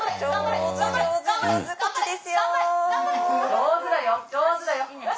上手だよ上手だよよし！